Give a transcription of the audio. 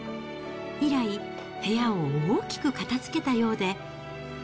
以来、部屋を大きく片づけたようで。